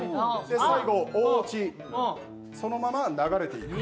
最後、大オチ、そのまま流れていく。